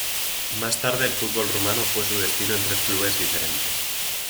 Más tarde el fútbol rumano fue su destino en tres clubes diferentes.